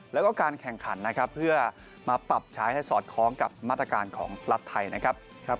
แล้วก็การแข่งขันนะครับเพื่อมาปรับใช้ให้สอดคล้องกับมาตรการของรัฐไทยนะครับ